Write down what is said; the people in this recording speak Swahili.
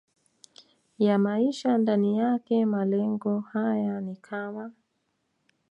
ya maisha ndani yake Malengo haya ni kama